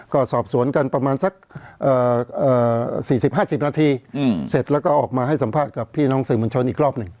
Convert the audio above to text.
ก็สอบสวนกันประมาณสัก๔๐๕๐นาทีเสร็จแล้วก็ออกมาให้สัมภาษณ์กับพี่น้องสื่อมวลชนอีกรอบหนึ่ง